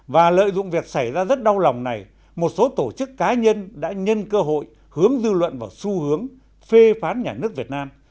và lợi dụng việc xảy ra rất đau lòng này một số tổ chức cá nhân đã nhân cơ hội hướng dư luận vào xu hướng phê phán nhà nước việt nam